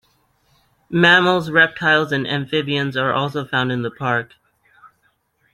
Mammals, reptiles and amphibians are also found in the park.